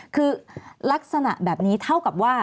คือลักษณะแบบนี้เท่ากับว่า